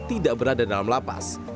tidak berada dalam lapas